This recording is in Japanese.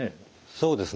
そうですね。